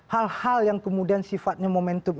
hal hal yang kemudian sifatnya momentum